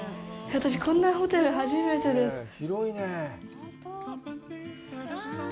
私、こんなホテル初めてです。